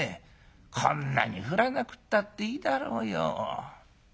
こんなに降らなくったっていいだろうよ。